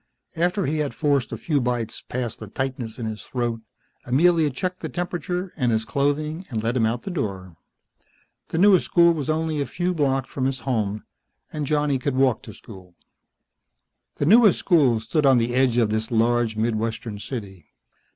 After he had forced a few bites past the tightness in his throat, Amelia checked the temperature and his clothing and let him out the door. The newest school was only a few blocks from his home, and Johnny could walk to school. The newest school stood on the edge of this large, middlewestern city.